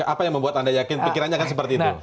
apa yang membuat anda yakin pikirannya akan seperti itu